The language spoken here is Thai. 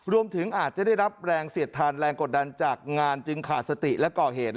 รวมถึงอาจจะได้รับแรงเสียดทานแรงกดดันจากงานจึงขาดสติและก่อเหตุ